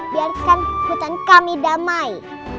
biarkan hutan kami damai